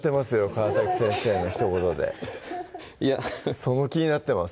川先生のひと言でその気になってます